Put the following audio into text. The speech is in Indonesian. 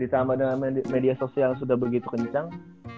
ditambah dengan media sosial sudah begitu kencang